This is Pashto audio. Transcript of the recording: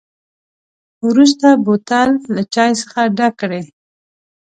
وروسته بوتل له چای څخه ډک کړئ.